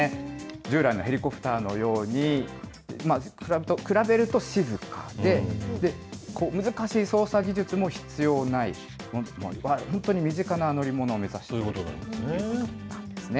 従来のヘリコプターのように、比べると静かで、難しい操作技術も必要ない、本当に身近な乗り物を目指すということなんですね。